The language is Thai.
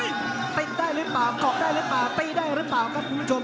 ติดได้หรือเปล่าเกาะได้หรือเปล่าตีได้หรือเปล่าครับคุณผู้ชม